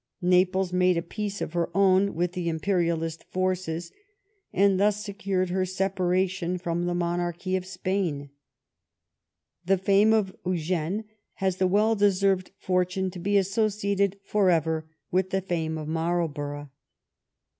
Naples made a peace of her own with the im perialist forces, and thus secured her separation from the monarchy of Spain. The fame of Eugene has the well deserved fortune to be associated forever with the fame of Marlborough.